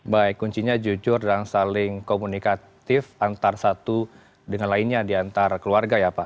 baik kuncinya jujur dan saling komunikatif antar satu dengan lainnya diantara keluarga ya pak